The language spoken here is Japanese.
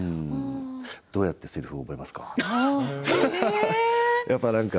どうやってせりふを覚えますか？とか。